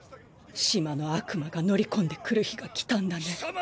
島の悪魔が乗り込んでくる日が来たんだね。